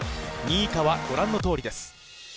２位以下はご覧の通りです。